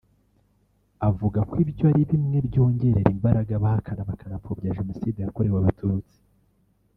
avuga ko ibyo ari bimwe mu byongerera imbaraga abahakana bakanapfobya Jenoside yakorewe Abatutsi